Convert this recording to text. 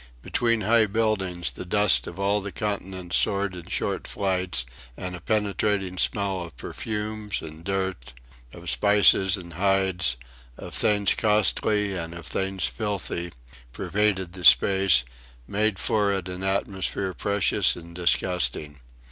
Between high buildings the dust of all the continents soared in short flights; and a penetrating smell of perfumes and dirt, of spices and hides, of things costly and of things filthy, pervaded the space, made for it an atmosphere precious and disgusting.